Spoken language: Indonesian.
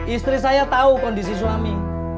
istri saya tahu kondisi suami